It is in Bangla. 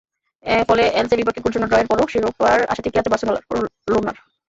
ফলে এলচের বিপক্ষে গোলশূন্য ড্রয়ের পরও শিরোপার আশা টিকে আছে বার্সেলোনার।